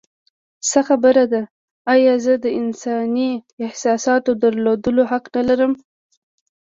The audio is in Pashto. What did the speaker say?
څه خبره ده؟ ایا زه د انساني احساساتو د درلودو حق نه لرم؟